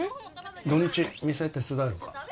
土日店手伝えるか？